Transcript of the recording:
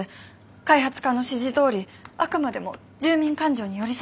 開発課の指示どおりあくまでも住民感情に寄り添って。